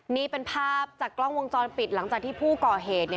นี่เป็นภาพจากกล้องวงจรปิดหลังจากที่ผู้ก่อเหตุ